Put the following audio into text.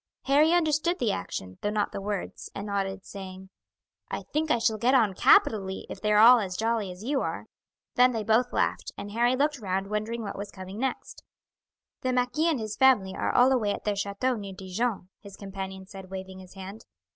Harry understood the action, though not the words, and nodded, saying: "I think I shall get on capitally if they are all as jolly as you are." Then they both laughed, and Harry looked round wondering what was coming next. "The marquis and his family are all away at their chateau near Dijon," his companion said, waving his hand.